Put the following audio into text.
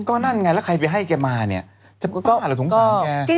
ก็นั่นไงแล้วใครไปให้แกมาเนี่ยก็อาจจะสงสารแกสิ